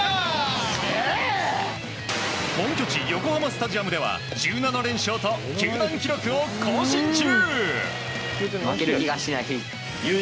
本拠地・横浜スタジアムでは１７連勝と球団記録を更新中！